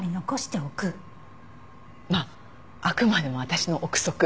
まああくまでも私の臆測。